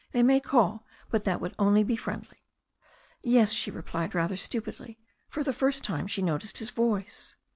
They may call, but that would only be friendly." "Yes," she replied rather stupidly. For the first time she noticed his voice.